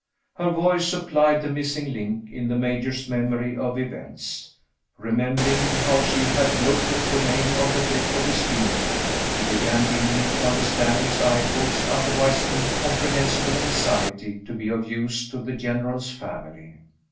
Her voice supplied the missing link in the Major's memory of events. Remembering how she had looked at Romayne on the deck of the steamboat, he began dimly to understand Miss Eyrecourt's otherwise incomprehensible anxiety to be of use to the General's family.